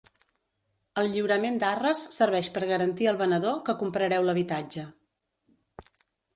El lliurament d'arres serveix per garantir al venedor que comprareu l'habitatge.